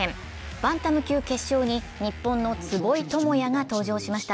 バンタム級決勝に日本の坪井智也が登場しました。